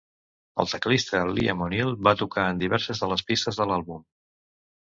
El teclista Liam O'Neil va tocar en diverses de les pistes de l'àlbum.